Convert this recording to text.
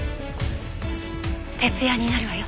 徹夜になるわよ。